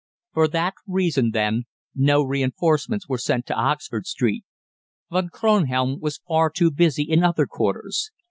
"For that reason, then, no reinforcements were sent to Oxford Street. Von Kronhelm was far too busy in other quarters.